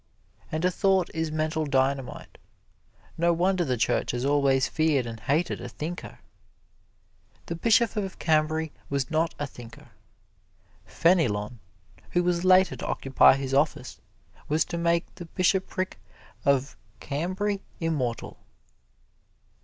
And a thought is mental dynamite. No wonder the Church has always feared and hated a thinker! The Bishop of Cambray was not a thinker. Fenelon, who was later to occupy his office, was to make the bishopric of Cambray immortal.